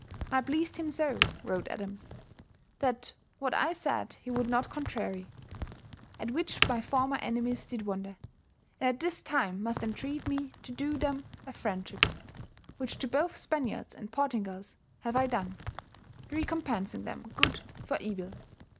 "I pleased him so," wrote Adams, "that what I said he would not contrarie. At which my former enemies did wonder; and at this time must entreat me to do them a friendship, which to both Spaniards and Portingals have I doen: recompencing them good for euill.